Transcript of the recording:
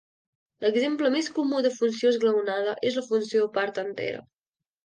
L'exemple més comú de funció esglaonada és la funció part entera.